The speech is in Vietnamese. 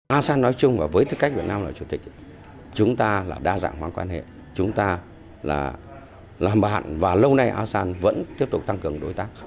asean nói chung và với tư cách việt nam là chủ tịch chúng ta là đa dạng hóa quan hệ chúng ta là làm bạn và lâu nay asean vẫn tiếp tục tăng cường đối tác